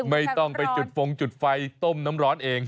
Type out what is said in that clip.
ไม่ต้องไปจุดฟงจุดไฟต้มน้ำร้อนเอง